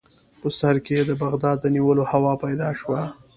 په سر کې یې د بغداد د نیولو هوا پیدا شوه.